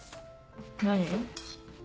何？